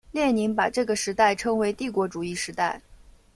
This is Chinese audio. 列宁把这个时代称为帝国主义时代。